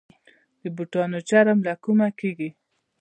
د بوټانو چرم له کومه کیږي؟